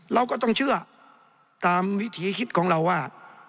เราก็ต้องเชื่อตามวิถีคิดของเราว่า